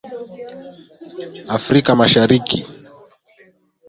Afrika Mashariki.